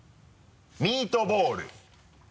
ミートボール。